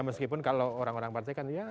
meskipun kalau orang orang partai